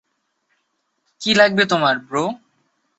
কী লাগবে তোমার, ব্রো?